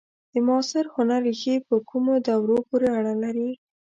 د معاصر هنر ریښې په کومو دورو پورې اړه لري؟